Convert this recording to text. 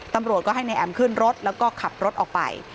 ตำรวจก็ให้นายแอ๋มขึ้นรถแล้วก็ขับรถออกไป